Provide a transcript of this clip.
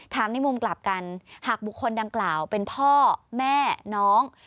ในมุมกลับกันหากบุคคลดังกล่าวเป็นพ่อแม่น้อง